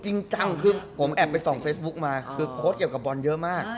จริงจังคือผมแอบไปส่องเฟซบุ๊กมาคือโพสต์เกี่ยวกับบอลเยอะมาก